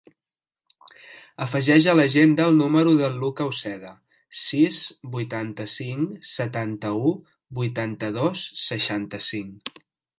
Afegeix a l'agenda el número del Lucca Uceda: sis, vuitanta-cinc, setanta-u, vuitanta-dos, seixanta-cinc.